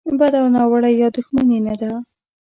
بده او ناوړه یا دوښمني نه ده.